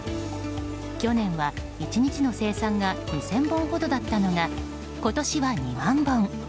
去年は１日の生産が２０００本ほどだったのが今年は２万本。